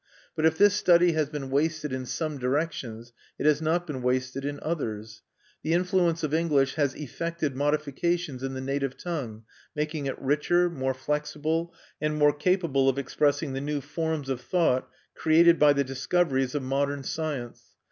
But if this study has been wasted in some directions, it has not been wasted in others. The influence of English has effected modifications in the native tongue, making it richer, more flexible, and more capable of expressing the new forms of thought created by the discoveries of modern science.